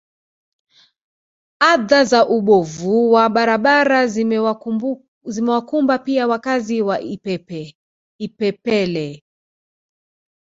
Adha za ubovu wa barabara zimewakumba pia wakazi wa Ipepele